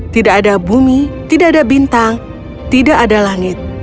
tidak ada bumi tidak ada bintang tidak ada langit